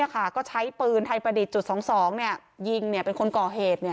ก็ใช้ปืนไทยประดิษฐ์จุด๒๒ยิงเป็นคนก่อเหตุ